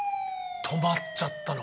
止まっちゃったの。